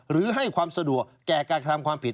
หรือให้ความสะดวกแก่การกระทำความผิด